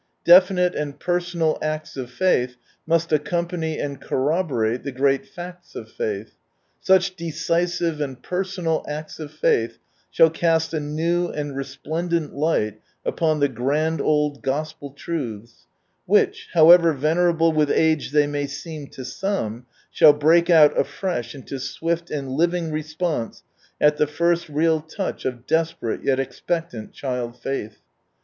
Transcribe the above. Definite and personal acts of faith must accompany and corroborate the great facts of faith. Such decisive and personal acts of faith shall cast a new and resplendent light upon the grand old Gospel truths, which, however venerable with age they may seem to some, shall break out afresh into swift and living response at the first real touch of desperate yet expectant child faith.